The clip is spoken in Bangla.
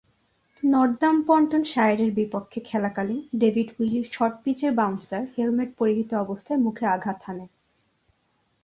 নর্দাম্পটনশায়ারের বিপক্ষে খেলাকালীন ডেভিড উইলি’র শর্ট-পিচের বাউন্সার হেলমেট পরিহিত অবস্থায় মুখে আঘাত হানে।